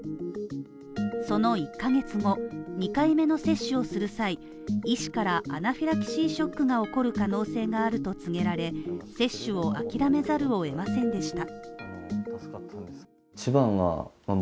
その１ヶ月も２回目の接種をする際、医師からアナフィラキシーショックが起こる可能性があると告げられ、接種を諦めざるを得ませんでした。